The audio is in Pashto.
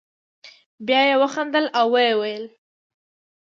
بیا یې وخندل او ویې ویل.